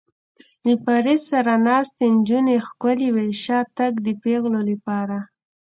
له فرید سره ناستې نجونې ښکلې وې، شاتګ د پېغلو لپاره.